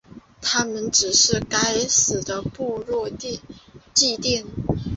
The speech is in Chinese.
它们只是该死的部落祭典。